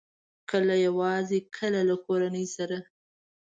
کله یوازې، کله کورنۍ سره